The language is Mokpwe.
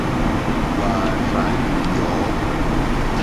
Wàà rzà lìyɔ̌.